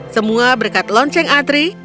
semua berkat lonceng atri